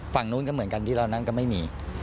ฝั่งนู้นก็เหมือนกันที่เรานั้นก็ไม่มี